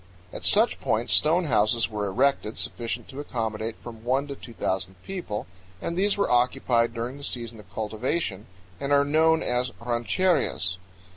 At such points stone houses were erected sufficient to accommodate from one to two thousand people, and these were occupied during the season of cultivation and are known as rancherías.